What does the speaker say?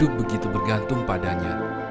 yang gue ketsul teria nanya amazing